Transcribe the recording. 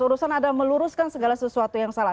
urusan adalah meluruskan segala sesuatu yang salah